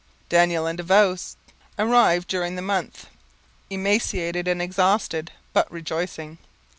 Daniel and Davost arrived during the month, emaciated and exhausted, but rejoicing.